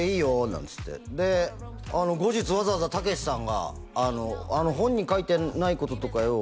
なんつってで後日わざわざたけしさんが「本に書いてないこととかよ」